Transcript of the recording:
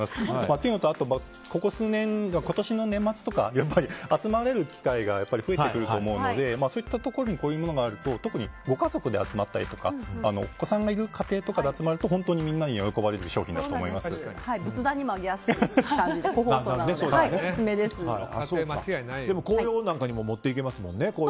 っていうのと、ここ数年今年の年末とかやっぱり集まれる機会が増えてくると思うのでそういったところにこういったものがあると特にご家族で集まったりお子さんがいる家庭とかで集まると本当に皆さんに喜ばれる仏壇にもあげやすい感じで紅葉なんかにも持っていけますもんね。